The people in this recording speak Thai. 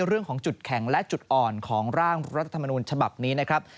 เรื่องของจุดแข็งและจุดอ่อนของร่างรัฐธรรมนูญฉบับนี้นะครับ